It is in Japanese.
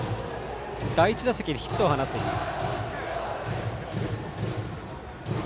第１打席でヒットを放っています。